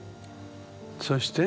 そして？